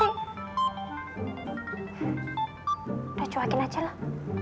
udah cuakin aja lah